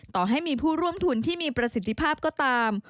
ต่อให้มีผู้ร่วมทุนที่มีประสิทธิภาพก็ตาม